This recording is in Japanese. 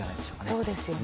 そうですよね。